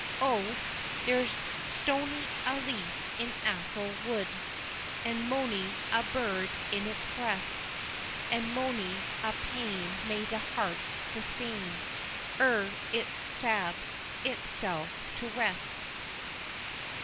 "Oh, there's stony a leaf in Atholl wood, And mony a bird in its breast, And mony a pain may the heart sustain Ere it sab itsel' to rest."